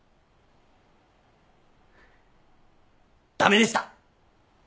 駄目でした！